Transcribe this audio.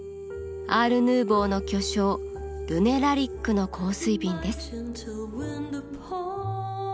アールヌーボーの巨匠ルネ・ラリックの香水瓶です。